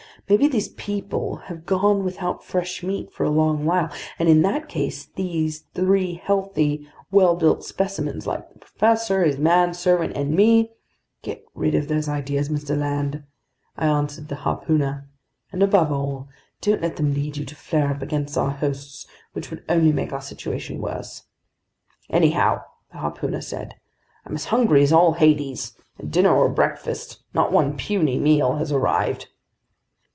Maybe these people have gone without fresh meat for a long while, and in that case three healthy, well built specimens like the professor, his manservant, and me——" "Get rid of those ideas, Mr. Land," I answered the harpooner. "And above all, don't let them lead you to flare up against our hosts, which would only make our situation worse." "Anyhow," the harpooner said, "I'm as hungry as all Hades, and dinner or breakfast, not one puny meal has arrived!"